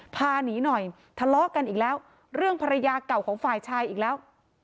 พาหนีหน่อยทะเลาะกันอีกแล้วเรื่องภรรยาเก่าของฝ่ายชายอีกแล้ว